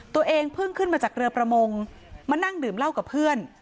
ตัวเองเพิ่งขึ้นมาจากเรือประมงมานั่งดื่มเหล้ากับเพื่อน